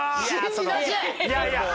いやいや。